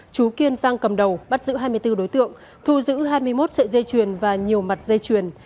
chú kiên sang cầm đầu bắt giữ hai mươi bốn đối tượng thu giữ hai mươi một sợi dây chuyền và nhiều mặt dây chuyền